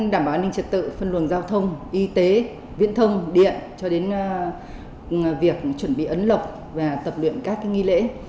đảm bảo an ninh trật tự phân luồng giao thông y tế viễn thông điện cho đến việc chuẩn bị ấn lọc và tập luyện các nghi lễ